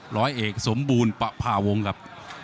ร้อยเอกสมบูรณ์ประพาวงครับ